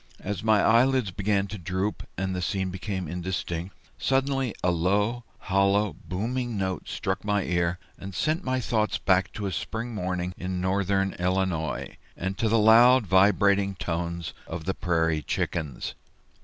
As my eyelids began to droop and the scene to become indistinct, suddenly a low, hollow, booming note struck my ear and sent my thoughts back to a spring morning in northern Illinois, and to the loud vibrating tones of the Prairie Chickens.